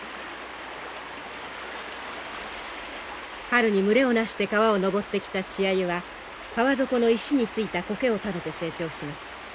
春に群れをなして川を上ってきた稚アユは川底の石についた苔を食べて成長します。